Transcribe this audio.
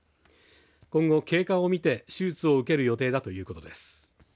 今後、経過を見て手術を受ける予定だということです。